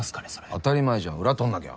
当たり前じゃん裏取んなきゃ。